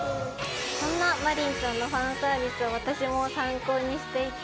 そんなマリンちゃんのファンサービスを私も参考にしていて。